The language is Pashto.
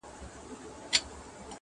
د پاچا په انتخاب کي سر ګردان وه-